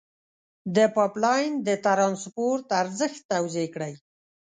د پایپ لین د ترانسپورت ارزښت توضیع کړئ.